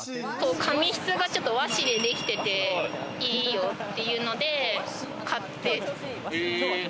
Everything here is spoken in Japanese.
紙質が和紙でできてて、いいよっていうので、買って。